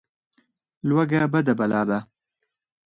لوږه بده بلا ده.